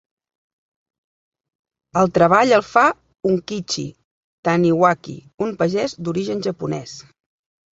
El treball el fa Unkichi Taniwaki, un pagès d'origen japonès.